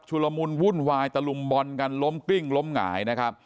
ละมุนวุ่นวายตะลุมบอลกันล้มกลิ้งล้มหงายนะครับ